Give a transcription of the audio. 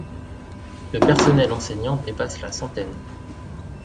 Le personnel enseignant dépasse la centaine.